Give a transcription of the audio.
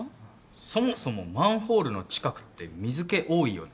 そもそもマンホールの近くって水気多いよね。